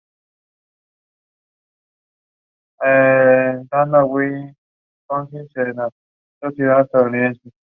Han estado cerca y saben demasiado.